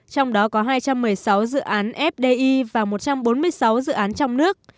trong đó có hai trăm một mươi sáu dự án fdi và một trăm bốn mươi sáu dự án trong nước